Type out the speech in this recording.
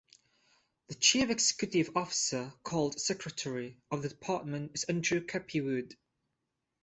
The chief executive officer, called Secretary, of the department is Andrew Cappie-Wood.